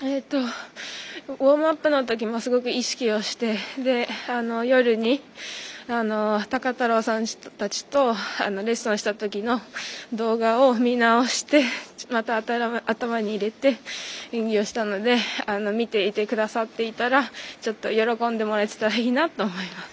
ウォームアップのときもすごく意識をして孝太郎さんたちとレッスンをしたときの動画を見直して、また頭に入れて演技をしたので見ていてくださっていたらちょっと喜んでもらえてたらいいなと思います。